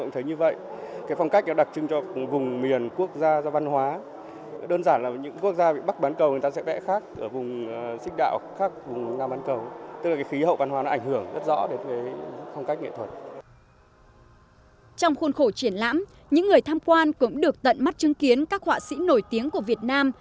trong khuôn khổ triển lãm những người tham quan cũng được tận mắt chứng kiến các họa sĩ nổi tiếng của việt nam